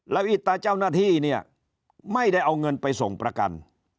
อิตตาเจ้าหน้าที่เนี่ยไม่ได้เอาเงินไปส่งประกัน